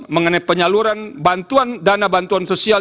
mengenai penyaluran bantuan dana bantuan sosial